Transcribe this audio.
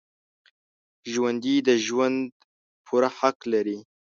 ژوندي د ژوند پوره حق لري